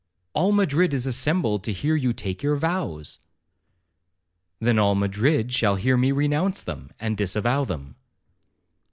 'All Madrid is assembled to hear you take your vows.' 'Then all Madrid shall hear me renounce them, and disavow them.'